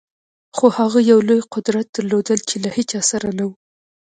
خو هغه یو لوی قدرت درلود چې له هېچا سره نه و